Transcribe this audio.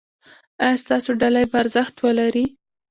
ایا ستاسو ډالۍ به ارزښت ولري؟